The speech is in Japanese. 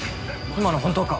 今の本当か？